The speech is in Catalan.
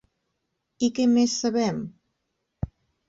I què més sabem?